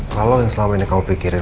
kalau yang selama ini kau pikirin